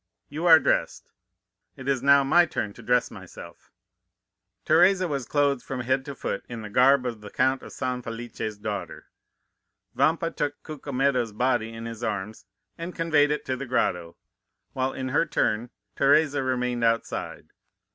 You are dressed; it is now my turn to dress myself.' 20125m "Teresa was clothed from head to foot in the garb of the Count of San Felice's daughter. Vampa took Cucumetto's body in his arms and conveyed it to the grotto, while in her turn Teresa remained outside.